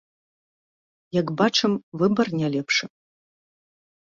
Як бачым, выбар не лепшы.